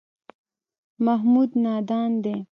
محمود نادان دی.